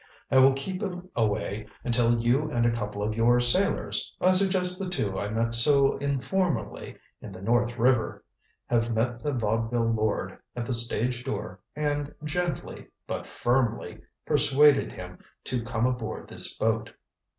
I will keep him away until you and a couple of your sailors I suggest the two I met so informally in the North River have met the vaudeville lord at the stage door and gently, but firmly, persuaded him to come aboard this boat."